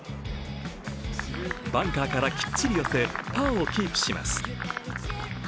バンカーからきっちり寄せパーをキープします。